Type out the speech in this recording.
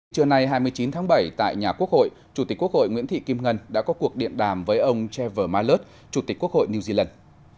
trưa nay hai mươi chín tháng bảy tại nhà quốc hội chủ tịch quốc hội nguyễn thị kim ngân đã có cuộc điện đàm với ông trever mallard chủ tịch quốc hội new zealand